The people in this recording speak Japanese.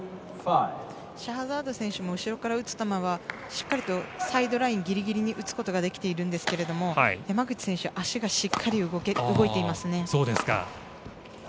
シャハザード選手も後ろから打つ球はサイドラインギリギリに打つことができているんですけど山口選手足がしっかり動いていますね。